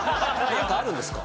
なんかあるんですか？